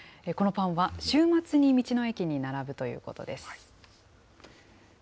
このパンは週末に道の駅に並ぶということです。